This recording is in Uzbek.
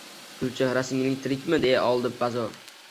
— Gulchehra…singling tirikmi? – deya oldi bazo’r.